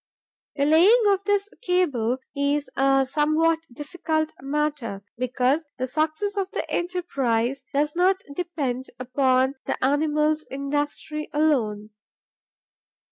The laying of this cable is a somewhat difficult matter, because the success of the enterprise does not depend upon the animal's industry alone.